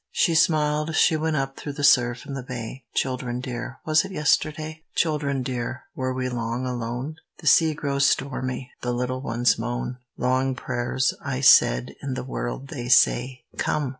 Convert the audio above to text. She smiled, she went up through the surf in the bay. Children dear, was it yesterday? Children dear, were we long alone? "The sea grows stormy, the little ones moan; Long prayers," I said, "in the world they say; Come!"